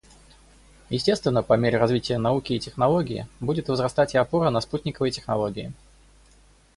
Естественно, по мере развития науки и технологии будет возрастать и опора на спутниковые технологии.